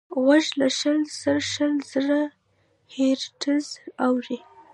غوږ له شل تر شل زره هیرټز اوري.